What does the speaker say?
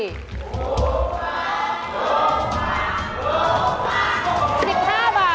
ถูกกว่าถูกกว่าถูกกว่า